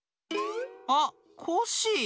あっコッシー。